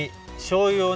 しょうゆ？